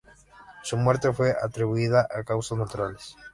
Su muerte fue atribuida a causas naturales.